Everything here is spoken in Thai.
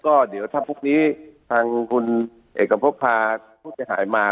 ก็เดี๋ยวถ้าพวกนี้ทางคุณเอกพบภาพพวกจะหายมา